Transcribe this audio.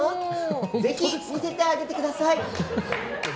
ぜひ、見せてあげてください。